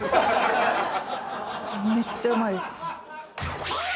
めっちゃうまいですか。